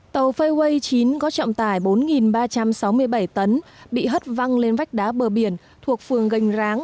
tàu fayeway chín có trọng tài bốn ba trăm sáu mươi bảy tấn bị hất văng lên vách đá bờ biển thuộc phường cành ráng